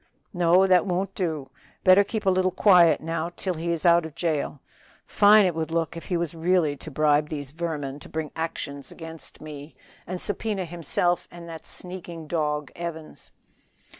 "No, that won't do; better keep a little quiet now till he is out of the jail. Fine it would look if he was really to bribe these vermin to bring actions against me, and subpoena himself and that sneaking dog, Evans."